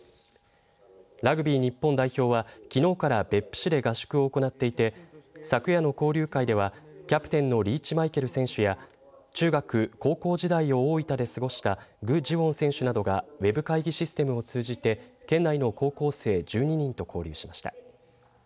ラグビー日本代表はきのうから別府市で合宿を行っていて昨夜の交流会ではキャプテンのリーチマイケル選手や中学、高校時代を大分で過ごした具智元選手などがウェブ会議システムを通じて県内の高校生１２人と交流しました。